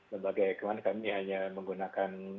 lembaga ekman kami hanya menggunakan